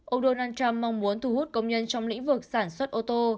ông donald trump mong muốn thu hút công nhân trong lĩnh vực sản xuất ô tô